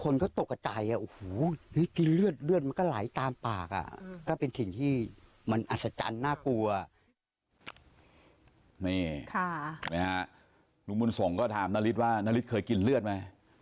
นี่ลุงบุญสงศ์ก็ถามนาฬิษฐ์ว่านาฬิษฐ์เคยกินเลือดไหม